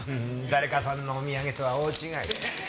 誰かさんのお土産とは大違い。